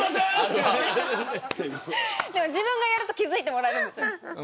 自分がやると気付いてもらえるんです。